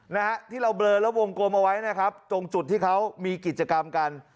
นะฮะที่เราเบลอแล้ววงกลมเอาไว้นะครับตรงจุดที่เขามีกิจกรรมกัน